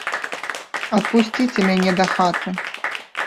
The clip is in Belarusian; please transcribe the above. Адпусціце мяне да хаты.